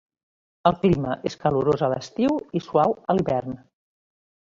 El clima és calorós a l'estiu i suau a l'hivern.